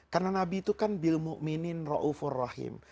karena nabi itu kan bilmu'minin ra'ufur rahim